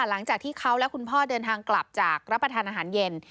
หลังจากที่เขาและคุณพ่อเดินทางกลับจากรับประทานอาหารเย็น